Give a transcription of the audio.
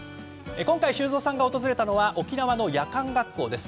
今回、修造さんが訪れたのは沖縄の夜間学校です。